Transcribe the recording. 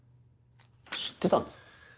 知ってたんですね。